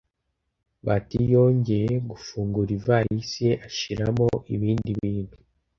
Bahati yongeye gufungura ivalisi ye ashyiramo ibindi bintu.